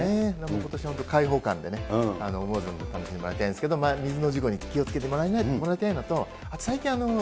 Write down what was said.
ことしは本当、開放感でね、思う存分楽しんでもらいたいですけどね、水の事故に気をつけてもらいたいのと。